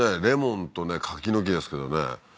レモンとね柿の木ですけどね